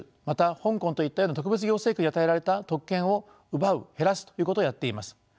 また香港といったような特別行政区に与えられた特権を奪う減らすということをやっています。